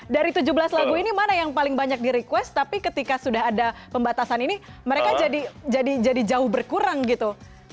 dari tujuh belas lagu ini mana yang paling banyak di request tapi ketika sudah ada pembatasan ini mereka jadi jauh berkurang gitu